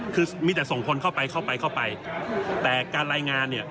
คือมีแต่ส่งคนเข้าไปเข้าไปแต่การรายงานเนี่ย